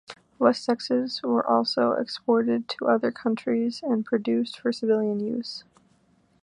Wessexes were also exported to other countries and produced for civilian use.